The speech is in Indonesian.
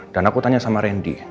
dan aku tanya sama randy